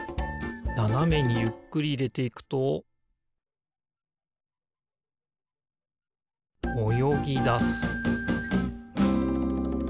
ななめにゆっくりいれていくとおよぎだす